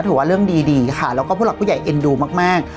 ถือว่าเรื่องดีค่ะแล้วก็ผู้หลักผู้ใหญ่เอ็นดูมาก